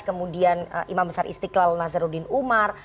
kemudian imam besar istiqlal nazaruddin umar